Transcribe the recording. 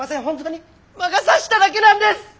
本当に魔が差しただけなんです。